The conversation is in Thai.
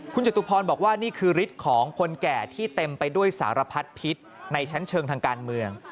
คุณจตุพรบอกว่านี่คือฤทธิ์ของคนแก่ที่เต็มไปด้วยสารพัดพิษในชั้นเชิงทางการเมือง